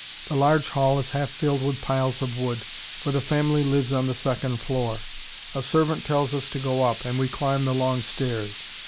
The large hall is half filled with piles of wood, for the family lives on the second floor. A servant tells us to go up, and we climb the long stairs.